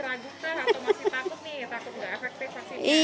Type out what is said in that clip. takut nggak efektivitas vaksinnya